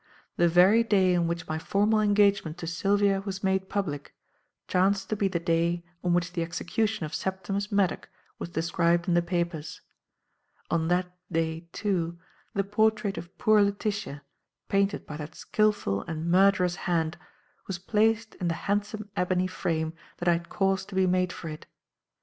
The very day on which my formal engagement to Sylvia was made public, chanced to be the day on which the execution of Septimus Maddock was described in the papers. On that day, too, the portrait of poor Letitia, painted by that skilful and murderous hand, was placed in the handsome ebony frame that I had caused to be made for it.